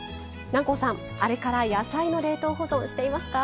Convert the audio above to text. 南光さん、あれから野菜の冷凍保存していますか？